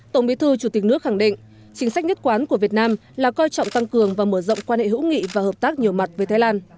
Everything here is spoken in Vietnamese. tổng bí thư chủ tịch nước khẳng định chính sách nhất quán của việt nam là coi trọng tăng cường và mở rộng quan hệ hữu nghị và hợp tác nhiều mặt với thái lan